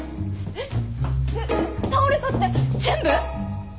えっえっ倒れたって全部！？